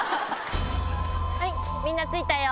はいみんな着いたよ